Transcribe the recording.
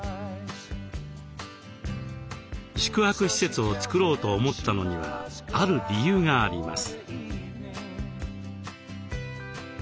宿泊施設を作ろうと思ったのにはある理由があります。